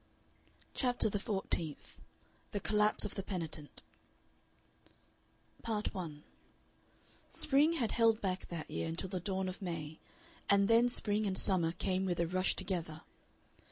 CHAPTER THE FOURTEENTH THE COLLAPSE OF THE PENITENT Part 1 Spring had held back that year until the dawn of May, and then spring and summer came with a rush together.